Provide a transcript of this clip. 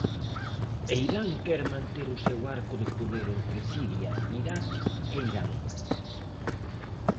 E Irán quere manter o seu arco de poder entre Siria, Iraq e Irán.